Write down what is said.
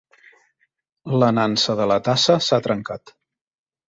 La nansa de la tassa s'ha trencat.